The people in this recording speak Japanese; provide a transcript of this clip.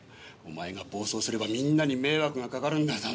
お前が暴走すればみんなに迷惑がかかるんだ。